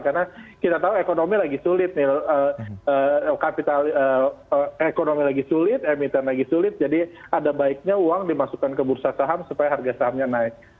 karena kita tahu ekonomi lagi sulit nih kapital ekonomi lagi sulit emiten lagi sulit jadi ada baiknya uang dimasukkan ke bursa saham supaya harga sahamnya naik